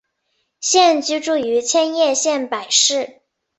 现居住于千叶县柏市。